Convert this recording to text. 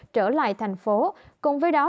trở lại thành phố cùng với đó